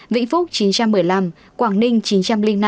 vĩnh phúc chín trăm một mươi năm quảng ninh chín trăm linh năm